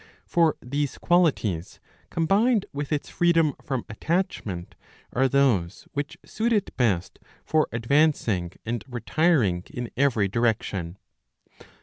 For these qualities, combined with its freedom from attachment, are those which suit it best for advancing and retiring in every direction.